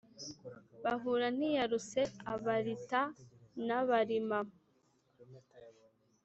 buhura ntiyaruse abarita n’abarima